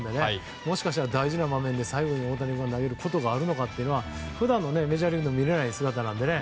もしかしたら大事な場面で最後に大谷君が投げることがあるのかということは普段のメジャーリーグでは見れない姿なのでね。